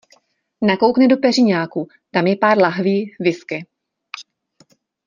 Nakoukne do peřiňáku, tam je pár lahví whisky.